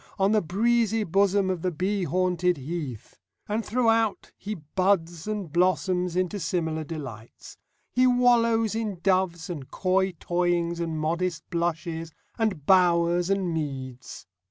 on the breezy bosom of the bee haunted heath"; and throughout he buds and blossoms into similar delights. He wallows in doves and coy toyings and modest blushes, and bowers and meads.